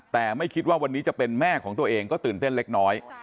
แต่ไม่คิดว่าวันนี้จะเป็นแม่ของตัวเองก็ตื่นเต้นเล็กน้อย